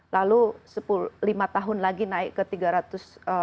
lalu lima tahun lagi naik ke tiga ratus